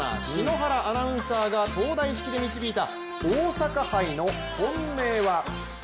篠原アナウンサーが東大式で導いた大阪杯の本命は？